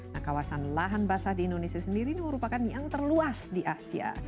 nah kawasan lahan basah di indonesia sendiri ini merupakan yang terluas di asia